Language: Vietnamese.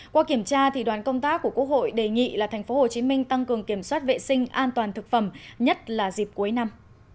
qua kiểm tra đoàn công tác của quốc hội đề nghị là tp hcm tăng cường kiểm soát vệ sinh an toàn thực phẩm nhất là dịp cuối năm